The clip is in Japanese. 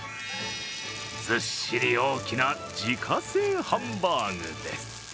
ずっしり大きな自家製ハンバーグです。